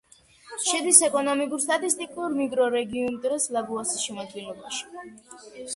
შედის ეკონომიკურ-სტატისტიკურ მიკრორეგიონ ტრეს-ლაგოასის შემადგენლობაში.